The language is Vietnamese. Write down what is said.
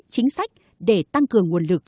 chính sách để tăng cường nguồn lực